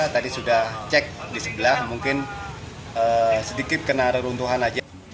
tadi sudah cek di sebelah mungkin sedikit kena reruntuhan aja